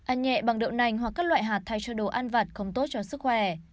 ăn nhẹ bằng đậu nành hoặc các loại hạt thay cho đồ ăn vặt không tốt cho sức khỏe